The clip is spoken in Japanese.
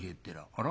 あら？